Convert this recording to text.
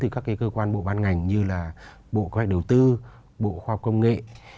các cái cơ quan bộ ban ngành như là bộ khoa học đầu tư bộ khoa học công nghệ